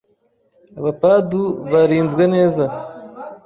Abapadu barinzwe neza